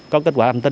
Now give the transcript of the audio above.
có kết quả